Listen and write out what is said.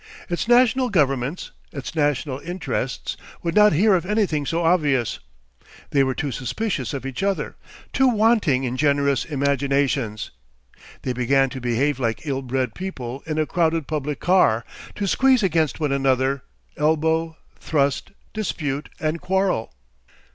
Its national governments, its national interests, would not hear of anything so obvious; they were too suspicious of each other, too wanting in generous imaginations. They began to behave like ill bred people in a crowded public car, to squeeze against one another, elbow, thrust, dispute and quarrel.